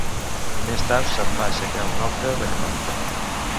Més tard se'n va aixecar una altra de catòlica.